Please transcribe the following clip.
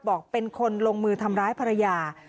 บอกเป็นคนลงมือทำร้ายภรรยา